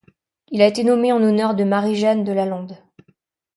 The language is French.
Il a été nommé en honneur de Marie-Jeanne de Lalande.